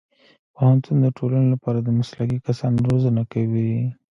پوهنتون د ټولنې لپاره د مسلکي کسانو روزنه کوي.